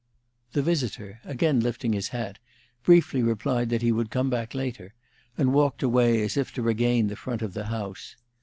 The visitor, again lifting his hat, briefly replied that he would come back later, and walked away, as if to regain the front of the house.